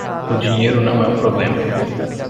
O dinheiro não é um problema